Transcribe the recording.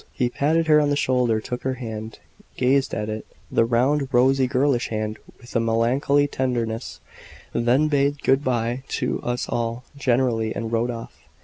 He patted her on the shoulder, took her hand, gazed at it the round, rosy, girlish hand with a melancholy tenderness; then bade "Good bye" to us all generally, and rode off.